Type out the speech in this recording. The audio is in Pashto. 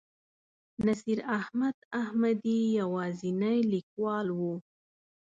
نصیر احمد احمدي یوازینی لیکوال و.